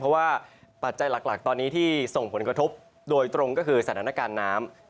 เพราะว่าปัจจัยหลักตอนนี้ที่ส่งผลกระทบโดยตรงก็คือสถานการณ์น้ำ